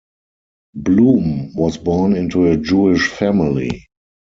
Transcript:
Blum was born into a Jewish family.